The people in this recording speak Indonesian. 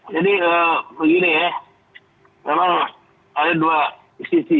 jadi begini ya memang ada dua sisi